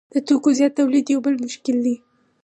د توکو زیات تولید یو بل مشکل دی